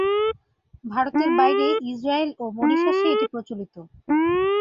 ভারতের বাইরে ইসরায়েল ও মরিশাস এ এটি প্রচলিত।